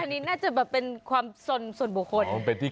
อันนี้น่าจะแบบเป็นความส่วนบุคคล